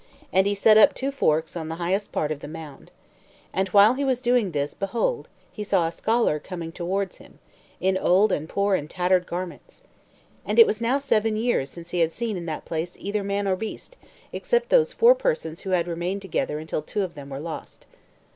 And he set up two forks on the highest part of the mound. And while he was doing this, behold, he saw a scholar coming towards him, in old and poor and tattered garments. And it was now seven years since he had seen in that place either man or beast, except those four persons who had remained together until two of them were lost.